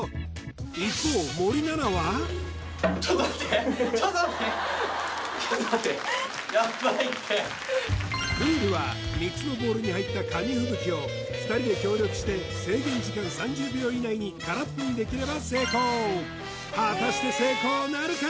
一方ちょっと待ってちょっと待ってちょっと待ってルールは３つのボウルに入った紙吹雪を２人で協力して制限時間３０秒以内に空っぽにできれば成功果たして成功なるか？